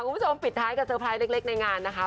คุณผู้ชมปิดท้ายกับเตอร์ไพรส์เล็กในงานนะคะ